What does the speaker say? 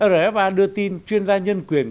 rfa đưa tin chuyên gia nhân quyền